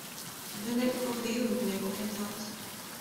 Venelle Cauvet au numéro quatorze